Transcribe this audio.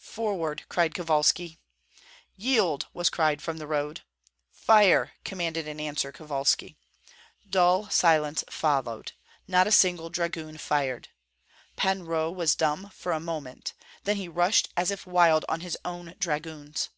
"Forward!" cried Kovalski. "Yield!" was cried from the road. "Fire!" commanded in answer Kovalski. Dull silence followed, not a single dragoon fired. Pan Roh was dumb for a moment; then he rushed as if wild on his own dragoons.